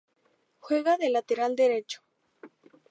Juega de Lateral derecho.